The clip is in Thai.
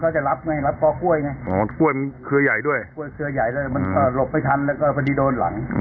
อ๋อกล้วยเครือใหญ่ด้วย